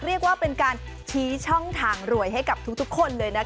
เรียกว่าเป็นการชี้ช่องทางรวยให้กับทุกคนเลยนะคะ